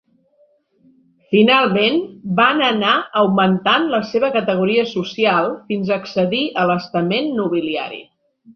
Finalment, van anar augmentant la seva categoria social fins a accedir a l'estament nobiliari.